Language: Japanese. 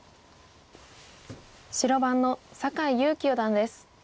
白番の酒井佑規四段です。